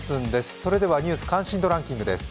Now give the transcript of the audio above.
それでは「ニュース関心度ランキング」です。